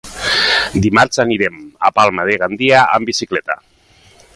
Dimarts anirem a Palma de Gandia amb bicicleta.